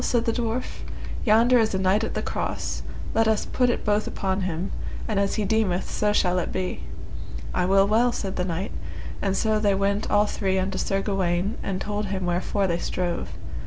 said the dwarf; yonder is a knight at the cross, let us put it both upon him, and as he deemeth so shall it be. I will well, said the knight, and so they went all three unto Sir Gawaine and told him wherefore they strove.